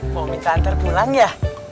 mau minta antar pulang ya